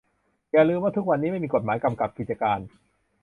อย่าลืมว่าทุกวันนี้ไม่มีกฎหมายกำกับกิจการ